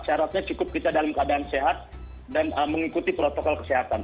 syaratnya cukup kita dalam keadaan sehat dan mengikuti protokol kesehatan